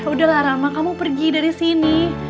udah lah rama kamu pergi dari sini